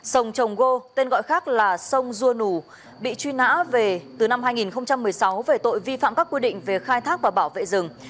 sông trồng gô tên gọi khác là sông dua nủ bị truy nã từ năm hai nghìn một mươi sáu về tội vi phạm các quy định về khai thác và bảo vệ rừng